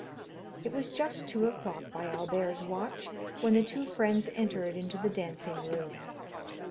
It was just two o'clock by Albert's watch when the two friends entered into the dancing room.